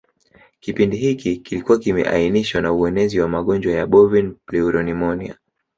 Kipindi hiki kilikuwa kimeainishwa na uenezi wa magonjwa ya bovin pleuropneumonia